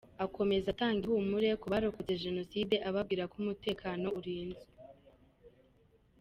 Akomeza atanga ihumure ku barokotse Jenoside ababwira ko umutekano urinzwe.